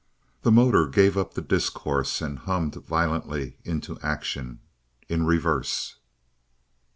The motor gave up the discourse and hummed violently into action in reverse!